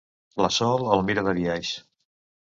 La Sol el mira de biaix.